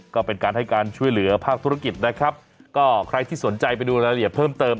ก็เป็นการให้การช่วยเหลือภาคธุรกิจนะครับก็ใครที่สนใจไปดูรายละเอียดเพิ่มเติม